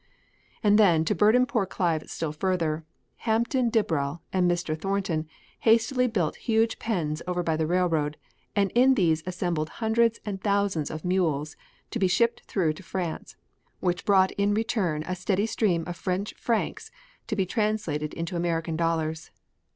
And then to burden poor Clive still further, Hampton Dibrell and Mr. Thornton hastily built huge pens over by the railroad and in these assembled hundreds and thousands of mules to be shipped through to France, which brought in return a steady stream of French francs to be translated into American dollars.